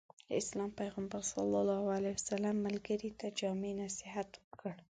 د اسلام پيغمبر ص ملګري ته جامع نصيحت وکړ.